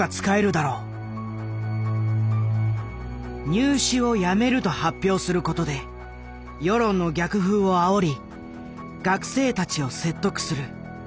「入試をやめる」と発表することで世論の逆風をあおり学生たちを説得する。